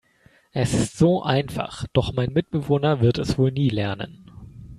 Es ist so einfach, doch mein Mitbewohner wird es wohl nie lernen.